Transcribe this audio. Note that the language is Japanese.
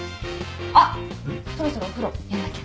そろそろお風呂やんなきゃ。